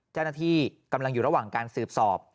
เจ้าหน้าที่กำลังอยู่ระหว่างการสืบสอบ